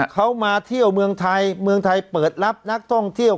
เขามาเที่ยวเมืองไทยเมืองไทยเปิดรับนักท่องเที่ยว